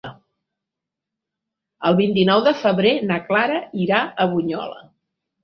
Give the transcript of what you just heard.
El vint-i-nou de febrer na Clara irà a Bunyola.